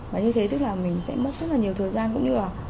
và như thế tức là mình sẽ mất rất là nhiều thời gian cũng như là